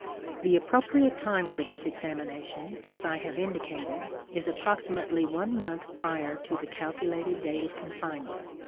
The appropriate time for this examination, as I have indicated, is approximately one month prior to the calculated date of confinement.